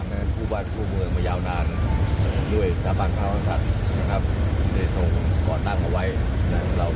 มีปัญหามากมันจะทำให้คู่บันคู่เมืองมายาวนาน